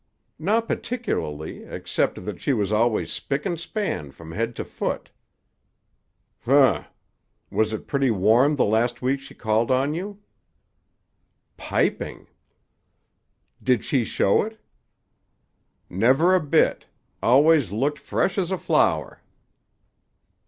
"Not particularly; except that she was always spick and span from head to foot." "Humph! Was it pretty warm the last week she called on you?" "Piping!" "Did she show it?" "Never a bit. Always looked fresh as a flower."